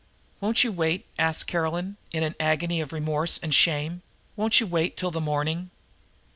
"Won't you wait?" asked Caroline, in an agony of remorse and shame. "Won't you wait till the morning?"